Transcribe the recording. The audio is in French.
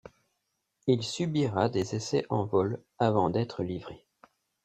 Il subira des essais en vol avant d'être livré.